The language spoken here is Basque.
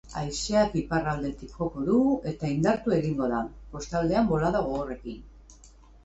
Haizeak iparraldetik joko du eta indartu egingo da, kostaldean bolada gogorrekin.